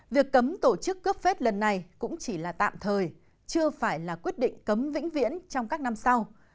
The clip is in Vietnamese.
việc cấm tổ chức cướp vết lần này cũng chỉ là tạm thời chưa phải là quyết định cấm vĩnh viễn trong các năm sau